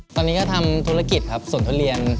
ตอนนี้ก็ทำธุรกิจครับสวนทุเรียน